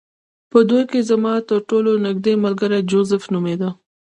په دوی کې زما ترټولو نږدې ملګری جوزف نومېده